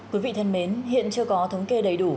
quý vị thân mến hiện chưa có thống kê đầy đủ